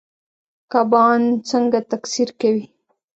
کبان څنګه تکثیر کوي؟